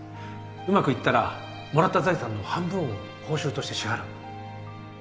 うまくいったらもらった財産の半分を報酬として支払う。